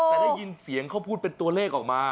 แต่ได้ยินเสียงเขาพูดเป็นตัวเลขออกมา